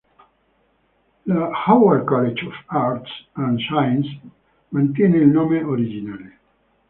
L'Howard College of Arts and Sciences mantiene il nome originale.